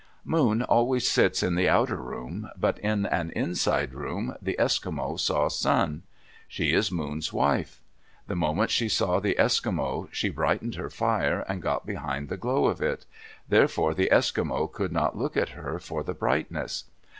Moon always sits in the outer room, but in an inside room, the Eskimo saw Sun. She is Moon's wife. The moment she saw the Eskimo, she brightened her fire and got behind the glow of it, therefore the Eskimo could not look at her for the brightness.